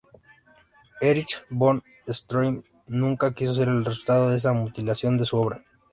Erich von Stroheim nunca quiso ver el resultado de esa mutilación de su obra.